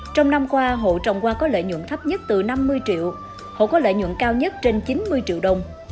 trong năm qua hộ trồng hoa có lợi nhuận thấp nhất từ năm mươi triệu hộ có lợi nhuận cao nhất trên chín mươi triệu đồng